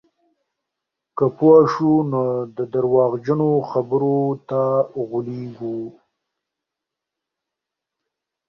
که پوه شو، نو درواغجنو خبرو ته غولېږو.